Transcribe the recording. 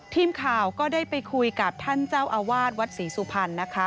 ทีมข่าวก็ได้ไปคุยกับท่านเจ้าอาวาสวัดศรีสุพรรณนะคะ